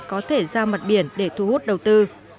có thể ra mặt biển để thu hút đầu tư